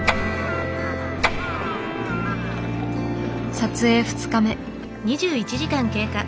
撮影２日目。